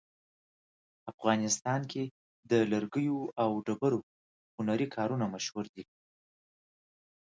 افغانستان کې د لرګیو او ډبرو هنري کارونه مشهور دي